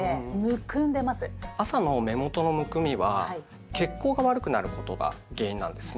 朝の目元のむくみは血行が悪くなることが原因なんですね。